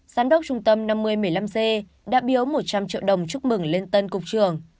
giám đốc trung tâm năm mươi một mươi năm c đã biếu một trăm linh triệu đồng chúc mừng lên tân cục trưởng